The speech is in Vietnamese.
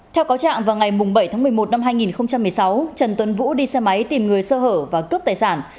theo cáo trạng vào ngày bảy tháng một mươi một năm hai nghìn một mươi sáu trần tuấn vũ đi xe máy tìm người sơ hở và cướp tài sản